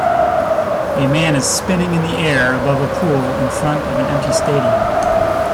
A man is spinning in the air above a pool in front of an empty stadium.